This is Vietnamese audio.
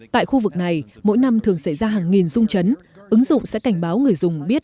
tại khu vực này mỗi năm thường xảy ra hàng nghìn rung chấn ứng dụng sẽ cảnh báo người dùng biết